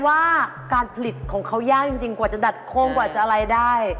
ว่าการผลิตของเขายากจริงกว่าจะดัดโค้งกว่าจะอะไรได้